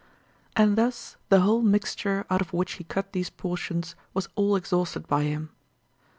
And thus the whole mixture out of which he cut these portions was all exhausted by him.